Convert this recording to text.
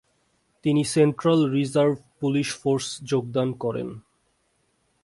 তিনি central reserve police force যোগদান করেন।